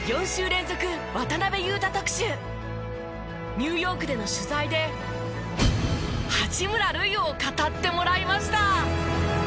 ニューヨークでの取材で八村塁を語ってもらいました。